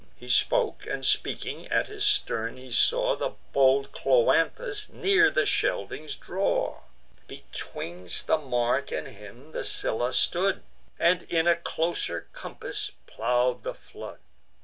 He spoke, and, speaking, at his stern he saw The bold Cloanthus near the shelvings draw. Betwixt the mark and him the Scylla stood, And in a closer compass plow'd the flood.